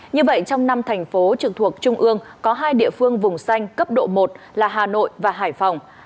như vậy trong năm thành phố trực thuộc trung ương có hai địa phương vùng xanh cấp độ một là hà nội và hải phòng